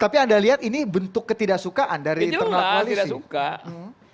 tapi anda lihat ini bentuk ketidaksukaan dari internal koalisi